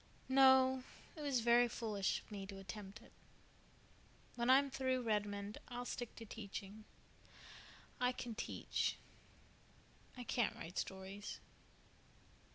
"No. It was very foolish of me to attempt it. When I'm through Redmond I'll stick to teaching. I can teach. I can't write stories."